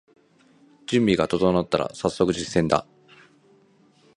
準備が整ったらさっそく実践だ